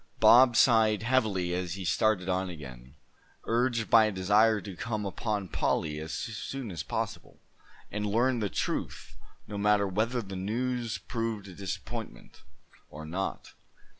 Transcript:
Bob sighed heavily as he started on again, urged by a desire to come upon Polly as soon as possible, and learn the truth, no matter whether the news proved a disappointment, or not.